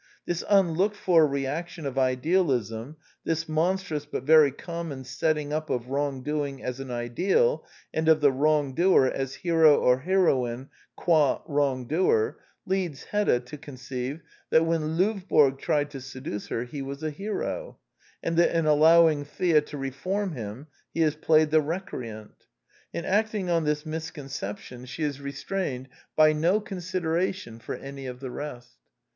This unlooked for reaction of idealism, this monstrous but very com mon setting up of wrong doing as an ideal, and of the wrongdoer as hero or heroine qua wrongdoer, leads Hedda to conceive that when Lovborg tried to seduce her he was a hero, and that in allowing Thea to reform him he has played the recreant. In acting on this misconception she is restrained The Anti Idealist Plays 133 by no consideration for any of the rest.